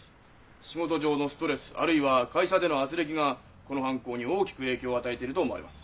仕事上のストレスあるいは会社での軋轢がこの犯行に大きく影響を与えていると思われます。